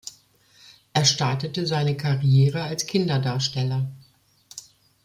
Er startete seine Karriere als Kinderdarsteller.